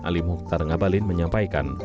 ali muqtar ngabalin menyampaikan